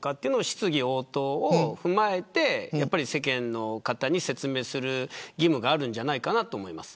質疑応答を踏まえて世間の方に説明する義務があるんじゃないかと思います。